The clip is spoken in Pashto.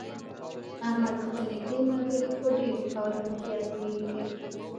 احمد خپل نېږدې ملګري په ډېرو کارونو کې ازمېیلي دي.